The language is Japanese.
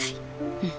うん。